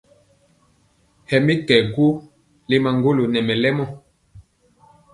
Hɛ mi kɛ gwo le maŋgolo nɛ mɛlɛmɔ.